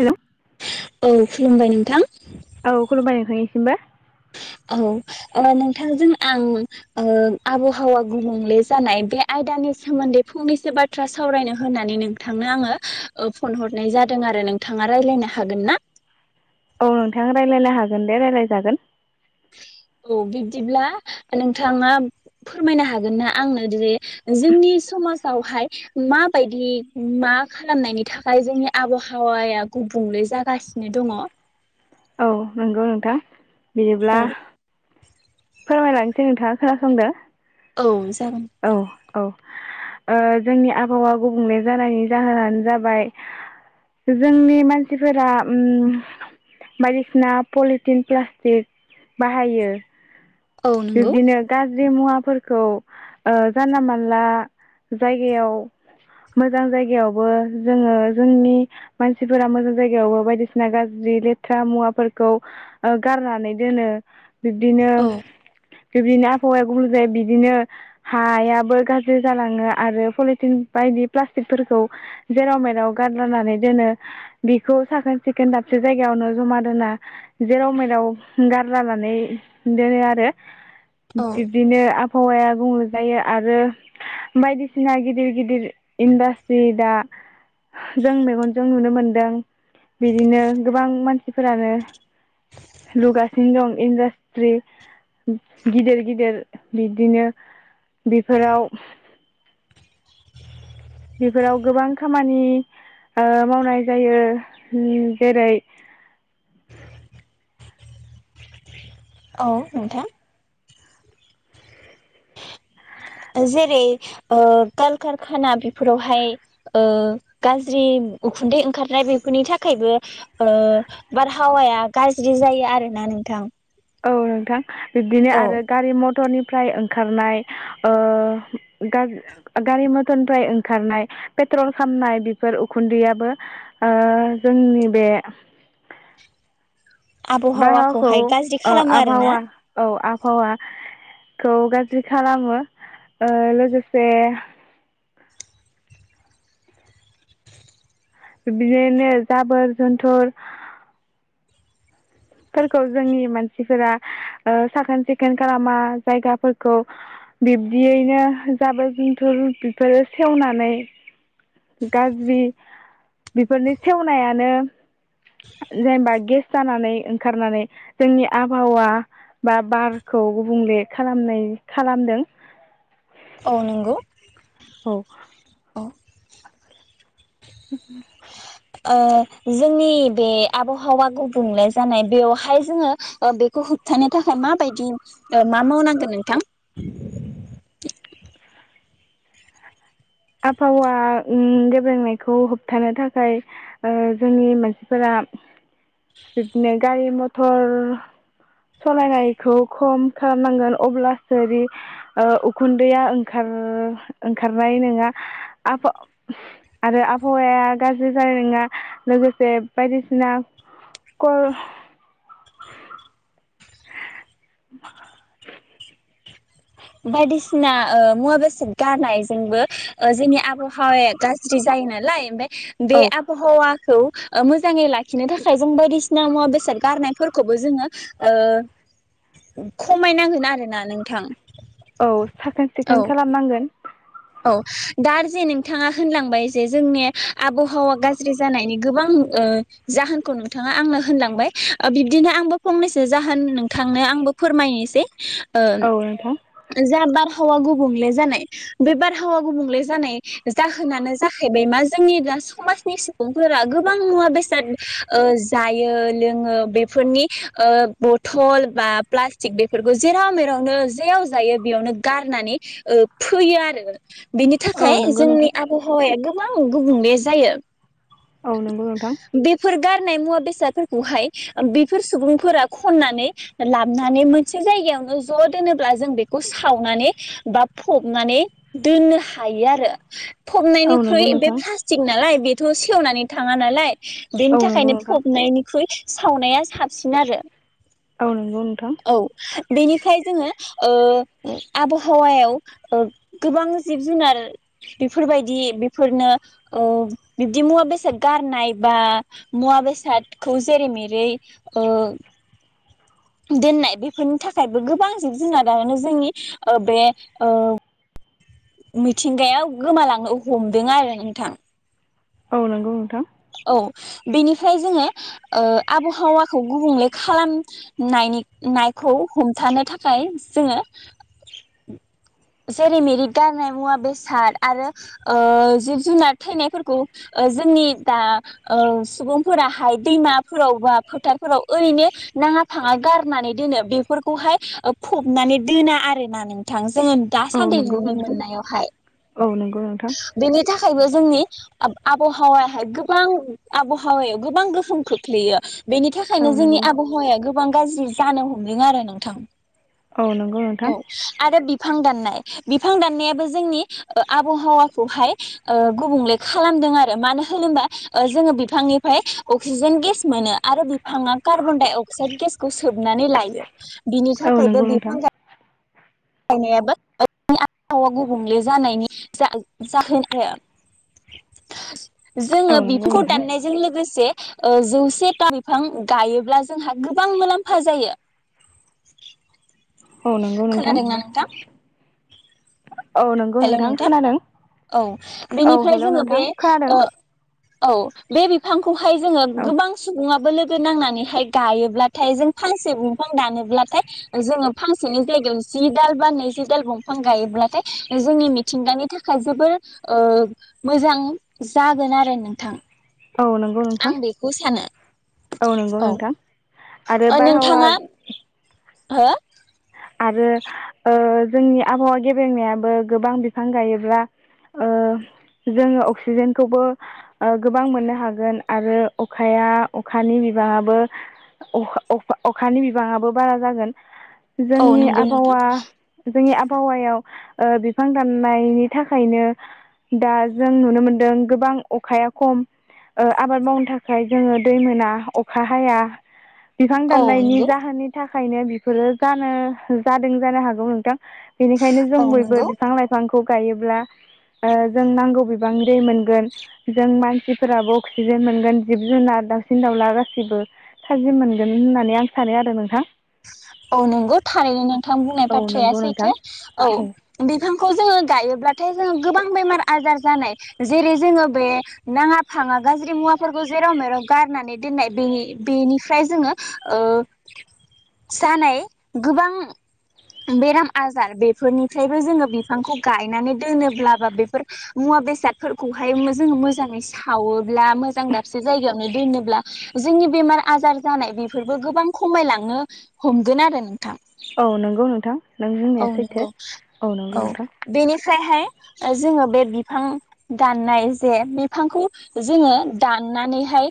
Hello? औ खुलुमबाय नोंथां। औ खुलुमबाय नोंथांनिसिमबो। औ ओ नोंथांजों आं ओ आबहावा गुबुंले जानाय बे आयदानि सोमोन्दै फंनैसो बाथ्रा सावरायनो होननानै नोंथांनो आङो ओ फन हरनाय जादों आरो नोंथाङा रायलायनो हागोन ना? औ नोंथां रायलायनो हागोन दे, रायलायजागोन। औ बिब्दिब्ला नोंथाङा फोरमायनो हागोन ना आंनो जे जोंनि समाजावहाय माबायदि मा खालामनायनि थाखाय जोंनि आबहावाया गुबुंले जागासिनो दङ? औ नंगौ नोंथां। बिदिब्ला फोरमायलांसै नोंथाङा खोनासंदो। औ। जागोन। औ औ ओ जोंनि आबहावा गुबुंले जानायनि जाहोनानो जाबाय जोंनि मानसिफोरा उम बायदिसिना पलिटिन प्लास्टिक बाहायो। औ नंगौ बिब्दिनो गा ज्रि मुवाफोरख ओ जानला मानला जायगायाव मोजां जायगायावबो जोङो जोंनि मानसिफोरा मोजां जायगायावबो बायदिसिना गाज्रि लेथ्रा मुवाफोरखौ ओ गारनानै दोनो बिब्दिनो औ बिबदिनो आबहावाया गुबुंले जायो। बिदिनो हायाबो गाज्रि जालाङो आरो पलिथिन बायदि प्लास्टिकफोरखौ जेराव मेराव गारलानानै दोनो। बेखौ साखोन सिखोन दाबसे जायगायावनो जमा दोना जेराव मेराव गारलानानै दोनो आरो औ बिब्दिनो आब हावाया गुबुंले जायो आरो बायदिसिना गिदिर गिदिर इन्डास्ट्रि दा जों मेगनजों नुनो मोनदों बिदिनो गोबां मानसिफोरानो लुगासिनो दं इन्डास्ट्रि। गिदिर गिदिर बिदिनो बेफोराव बेफोराव गोबां खामानि ओ मावनाय जायो, जेरै औ नोंथां। जेरै ओ कालकारखाना बेफोरावहाय गाज्रि उखुन्दै ओंखारनाय बेफोरनि थाखायबो ओ बारहावाया गाज्रि जायो आरोना नोंथां। औ नोंथां। बिब्दिनो औ आरो गारि म टरनिफ्राय ओंखारनाय ओ गा-गारि मटरनिफ्राय ओंखारनाय पेट्रल खामनाय बेफोर उखुन्दैयाबो ओ जोंनि बे बाहावखौ आबहावाखौहाय गाज्रि ओ खालामो आरोना आबहावा औ आब हावाखौ गाज्रि खालामो। ओ लोगोसे बिदिनो जाबोर जनथ'र फोरखौ जोंनि मानसिफोरा ओ साखोन सिखोन खालामा जायगाफोरखौ बिब्दियैनो जाबो जुनथुर बेफोर सेवनानै गाज्रि बेफोरनि सेवनायानो जेनेबा गेस जानानै ओंखारनानै जोंनि आबहावा बा बारखौ गुबुंले खालामनाय खालामदों। औ नंगौ। औ। अ [unintelligible] ओ जोंनि बे आबहावा गुबुंले जानाय बेवहाय जोङो ओ बेखौ होबथानो थाखाय माबायदि ओ मा मावनांगोन नोंथां? आबहावा उम गेब्रेंनायखौ होबथानो थाखाय ओ जोंनि मानसिफोरा बिदिनो गारि मथर सलायनायखौ खम खालामनांगोन अब्लासो जि ओ उखुन्दैया ओंखार ओंखारनाय नोङा। आफा आरो आबहावाया गाज्रि जानाय नोङा लोगोसे बायदिसिना कर [inaudible] बायदिसिना ओ मुवा बेसाद गारनायजोंबो ओ जोंनि आबहावाया गाज्रि जायो नालाय ओमफाय बे औ आबहावा खौ ओ मोजाङै लाखिनो थाखाय जों बायदिसिना मुवा बेसाद गारनायफोरखौबो जोङो ओ खमायनांगोन आरोना नोंथां। औ साखोन औ सिखोन खालामनांगोन। औ दा जे नोंथाङा होनलांबाय जे जोंनि आबहावा गाज्रि जानायनि गोबां ओ जाहोनखौ नोंथाङा आंनो होनलांबाय ओ बिब्दिनो आंबो फंनैसो जाहोन नोंथांनो आंबो फोरमायनोसै। ओ औ नोंथां जा बार हावा गुबुंंले जानाय। बे बारहावा गुबुंले जानाय जाहोनानो जाहैबाय मा जोंनि दा समाजनि सुबुंफोरा गोबां मुवा बेसाद ओ जायो लोङो बेफोरनि ओ बथल बा प्लास्टिक बेफोरखौ जेराव मेरावनो जेयाव जायो बेयावनो गारनानै ओ फोयो आर [unintelligible] बिनि औ थाखाय नंगौ जोंनि नोंथां आबहावाया गो बां गुबुंले जायो। औ नंगौ नोंथां। नाय मुवा बेसादफोरखौहाय ओ बेफोर सुबुंफोरा खननानै लाबनानै मोनसे जायगायावनो ज दोनोब्ला जों बेखौ सावनानै बा फबनानै दोननो हायो आरो। औ फबनायनिख्रुइ नंगौ बे नोंथां प्लास्टिक नालाय बे थ से खेवनानै थाङा नालाय बेनि औ नंगौ थाखायनो नोंथां फबनायनिख्रुइ सावनाया साबसिन आरो। औ नंगौ नोंथां। औ बेनिफ्राय जोङो ओ आबहावायाव ओ गोबां जिब जुनार बेफोरबायदि बेफोरनो ओब बिब दि मुवा बेसाद गारनाय बा मुवा बेसादखौ जेरै मेरै ओ दोननाय बेफोरनि थाखायबो गोबां जिब जुनारानो जोंनि ओ बे ओ मिथिंगायाव गोमालांनो हमदों आरो नोंथां। औ नंगौ नोंथां। औ बेनिफ्राय जोङो ओ आबहावाखौ गुबुंले खालामनायनि नायखौ हमथानो थाखाय जोङो जेरै मेरि गारनाय मुवा बेसाद आरो ओ जिब जुनार थैनायफोरखौ ओ जोंनि दा ओ सुबुंफोराहाय दैमाफोराव बा फोथारफोराव ओरैनो नाङा फाङा गारनानै दोनो बेफोरखौहाय फबनानै दोना आरो ना नोंथां। जोङो औ दासान्दि नंगौ नुनो नोंथां मोननायावहाय। औ नंगौ नोंथां बेनि थाखायबो जोंनि आब आबहावाहाय गोबां आबहावायाव गोबां गोहोम खोख्लैयो। बेनि थाखायनो औ जोंनि नंगौ आबहावाया गो गोबां गाज्रि जानो हमदों आरो नोंथां। औ नंगौ औ नोंथां आरो बिफां दान नाय बिफां दाननायाबो जोंनि ओ आब आबहावाखौहाय गुबुंले खालामदों आरो मानो होनोबा जोङो बिफांनिफ्राय अक्सिजेन गेस मोनो आरो बिफाङा कार्बन डाइ अक्साइद गेसखौ सोबनानै लायो। बिनि औ थाखायबो नंगौ नोंथां बिफां गाय गायनायाबो आबहावा गुबुंले जानायनि जा-जाहोन आरो औ जोङो नंगौ बेफोरखौ नोंथां दाननायजों लोगोसे। ओ जौसेथा बिफां गायोब्ला जोंहा गोबां मुलाम्फा जायो। औ नंगौ नोंथां खोनादोंना नोंथां। औ नोंगौ नोंथां खोनादों। औ औ बेनिफ्राय हेलौ जोङो नोंथां बे खोनादों ओ औ बे बिफां खौहाय जोङो औ गोबां सुबाबो लोग गो नांनानैहाय गायोब्लाथाय जों फांसे दंफां दानोब्लाथाय जोङो फांसेनि जायगायाव जि दाल बा नैजि दाल दंफां गायोब्लाथाय जोंनि मिथिंगानि थाख थाखाय जोबोर ओ मोजां जागोन आरो नोंथां। औ नंगौ आं नोंथां बेखौ सानो औ नंगौ नोंथां आरो ओ बारहावा नोंथाङा हो आरो ओ जोंनि आबहावा गेबेंनायाबो गोबां बिफां गायोब्ला ओ जोङो अक्सिजेनखौबो ओ गोबां मोननो हागोन आरो अखाया अखानि बिबाङाबो अख-अख-अखानि बिबाङाबो बारा जागोन। औ जोंनि नंगौ नोंथां आबहावा जोंनि आबहावायाव बिफां दाननायनि थाखायनो दा जों नुनो मोनदों गोबां अखाया खम आबाद मावनो थाखाय जोङो दै मोना अखा हाया बिफां औ दाननायनि नंगौ जाहोननि थाख खायनो बेफोरो। जानो जादों जानो हागौ नोंथां। बेनिखायनो जों औ बयबो नंगौ बिफां लाइफां खौ गायोब्ला जों नांगौ बिबांनि दै मोनगोन जों मान जिफोराबो अक्सिजेन मोनगोन जिब जुनार दावउसिन दाउला गाससिबो थाजिम मोनगोन। होननानै आं सानो आरो नोंथां। [inaudible] औ नंगौ थारैनो नोंथां बुंनाय औ बाथ्राया नंगौ नोंथां सैथो औ बिफांखौ जोङो गायोब्ला। नाथाय जोङो गोबां बेमार आजार जानाय जेरै जोङो बे नाङा फाङा गाज्रि मुवाफोरखौ जेराव मेराव गारनानै दोननाय बेनि बेनिफ्राय जोङो ओ जानाय गोबां बेराम आजार बेफोरनिफ्रायबो जोङो। बिफांखौ गायनानै दोनोब्ला बा बेफोर मुवा बेसादफोरखौहाय जोङो मोजाङै सावोब्ला मोजां दाबसे जायगायावनो दोनोब्ला जोंनि बेमार आजार जानाय बेफोरबो गोबां खमायलांनो। हमगोन आरो नोंथां। औ नंगौ नोंथां। नों औ बुंनाया सैथो नंगौ नंगौ औ नोंथां बेनिफ्रायहाय जोङो बे बिफां दानाय जे बिफांखौ जोंयो दाननानै हाय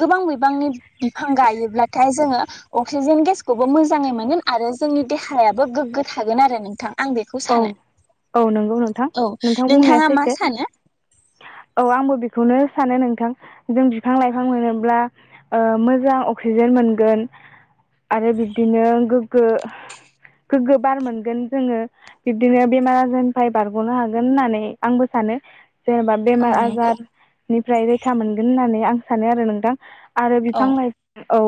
गोबां बिबांनि बिफां गायोब्लाथाय जोंङो अगजिसेन गेसखौबी मोजांयै मोनगोन आरो जोंनि देहायाबो गोगो थागोन आरो नोंथां औ औ नंगौ नोंथां औ नोंथां बुंनाया नोंथाङा मा सैथो सानो औ आंबो बेखौनो सानो नोंथां जों बिफां लाइफां मोनोब्ला मोजां अक्सिजेन मोनगोन आरो बिब्दिनो गोग्गो गोगो बार मोनगोन जोङो। बिदिनो बेमार आजारनिफ्राय बारगनो हागोन होननानै आंबो सानो जेनेबा औ बेमार नंगौ आजारनिफ्राय रैखा मोनगोन होननानै आं सानो आरो नोंथां आरो औ बिफां लाइफां औ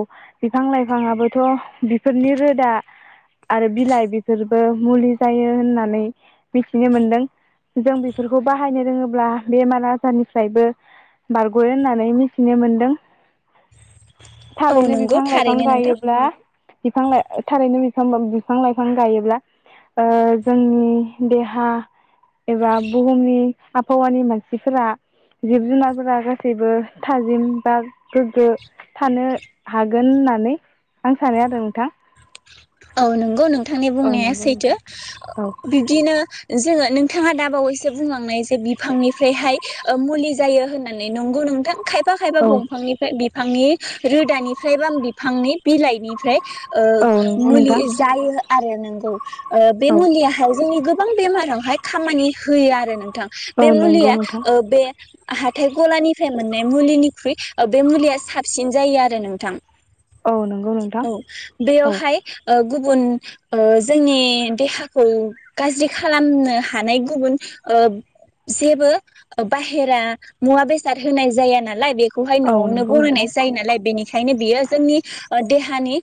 बिफां लाइफांङाबोथ बेफोरनि रोदा आरो बिलाइ बेफोर बो मुलि जायो होननानै मिथिनो मोनदों जों बेफोरखौ बाहायनो रोङोब्ला बेमार आजारनिफ्रायबो बारगयो होननानै मिथिनो मोनदों। औ थालैनो नंगौ बिफां लाइफां थारैनो नोंथां गायोब्ला बिफां लाइफां थारैनो बिफां लाइफां गायोब्ला ओ जोंनि देहा एबा बुहुमनि आबहावानि मानसिफोरा जिब जुनारफोरा गासैबो थाजिम बा गोग्गो थानो हागोन होननानै आं सानो आरो नोंथां। औ नंगौ नोंथांनि औ बुंनाया नंगौ सैथो। नोंथां औ बिदिनो जोङो नोंथाङा दाबावैसो बुंलांनाय जे बिफांनिफ्रायहाय मुलि जायो होननानै नंगौ नोंथां। खायफा खायफा औ दंफांनिफ्राय बि बिफांनि रोदानिफ्राय बा बिफांनि बिलाइनिफ्राय ओ औ नंगौ मुलि नोंथां जायो आरो नंगौ बे औ मुलियाहाय जोंनि गोबां बेमाराव बहाय खामानि होयो आरो नों नोंथां बे औ नंगौ मुलिया नोंथां ओ बे हाथाय गलानिफ्राय मोननाय मुलिनिख्रुइ बे मुलिया साबसिन जायो आरो नोंथां। औ नंगौ नोंथां औ औ बेयावहाय गुबुन जोंनि देहाखौ गाजि खालामनो हानाय गुबुन जेबो बाहेरा मुवा बेसाद होनाय जा नालाय बेखौ खौहाय औ न'आवनो नंगौ नोंथां बनायनाय जायो नालाय बेनिखायनो बियो जोंनि देहानि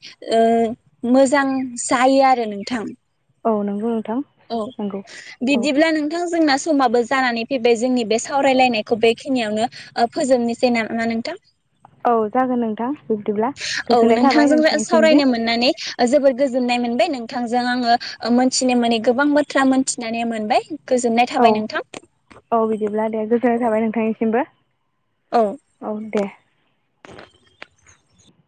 मोजां जायो आरो नोंथां। औ नोंगौ। औ बिदिब्ला नोंथां जोंना समाबो जानानै फैबाय जोंनि बे सावरायलायनायखौ बेखिनियावनो फोजोबनोसै नामा नोंथां? औ जागोन नोंथां। बिब्दिब्ला औ गोजोननाय थाबाय नोंथांजों नोंथांनिसिमबो सावरायनो मोननानै जोबोर गोजोननाय मोनबाय नोंथांजों आङो मोनथिनो मोनै गोबां बाथ्रा मोनथिनानै मोनबाय। गोजोननाय औ थाबाय नोंथां औ बिदिब्ला दे गोजोननाय थाबाय नोंथांनिसिमबो। औ औ दे।